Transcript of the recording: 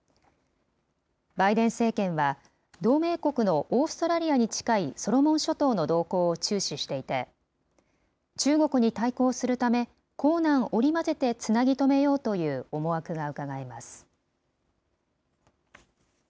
バイデン政権は、同盟国のオーストラリアに近いソロモン諸島の動向を注視していて、中国に対抗するため、硬軟織り交ぜてつなぎ止めようという思惑がうかがえます。